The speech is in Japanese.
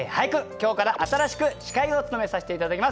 今日から新しく司会を務めさせて頂きます。